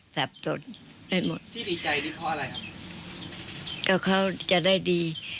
ก็เขาจะได้ดี